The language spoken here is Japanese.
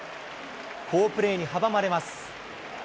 好プレーに阻まれます。